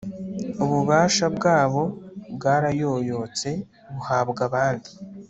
ububasha bwabo bwarayoyotse, buhabwa abandi